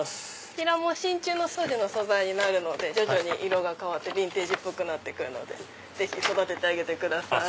こちら真ちゅうの素地になるので徐々に色が変わってビンテージっぽくなるのでぜひ育ててあげてください。